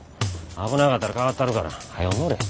危なかったら代わったるからはよ乗れ。